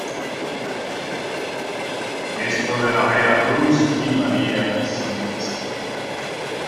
Cristo de la Vera-Cruz y María Stma.